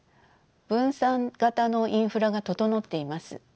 分散型のインフラが整っています。